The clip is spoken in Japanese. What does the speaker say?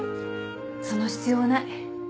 その必要はない。